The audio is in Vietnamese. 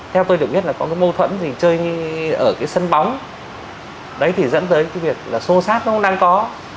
theo tôi được biết là có cái mâu thuẫn gì chơi ở cái sân bóng đấy thì dẫn tới cái việc là xô xát nó cũng đang có